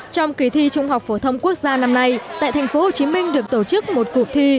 trong kỳ thi trung học phổ thông quốc gia năm nay tại thành phố hồ chí minh được tổ chức một cuộc thi